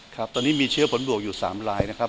ครับตอนนี้มีเชื้อผลบวกอยู่๓ลายนะครับ